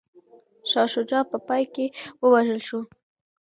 شاه شجاع په پای کي ووژل شو.